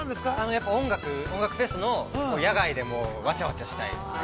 ◆やっぱり音楽フェスの野外でもうわちゃわちゃしたいですね。